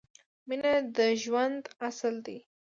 مینه د ژوند اصل ده